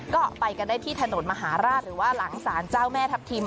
ก็ไปกันได้ที่ถนนมหาราชหรือว่าหลังศาลเจ้าแม่ทัพทิม